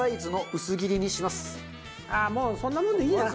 ああもうそんなもんでいいな。